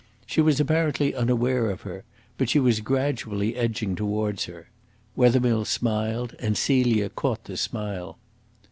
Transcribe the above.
She was apparently unaware of her; but she was gradually edging towards her. Wethermill smiled, and Celia caught the smile.